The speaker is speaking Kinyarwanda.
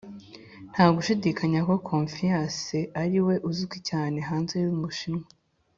nta gushidikanya ko confucius ari we uzwi cyane hanze y’u bushinwa